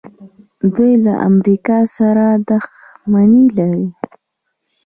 دوی له امریکا سره دښمني لري.